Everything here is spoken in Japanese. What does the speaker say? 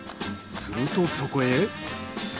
するとそこへ。